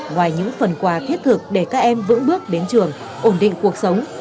ngoài những phần quà thiết thực để các em vững bước đến trường ổn định cuộc sống